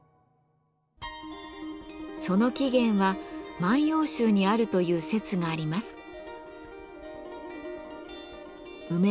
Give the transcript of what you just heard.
その起源は「万葉集」にあるという説があります。